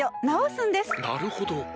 なるほど！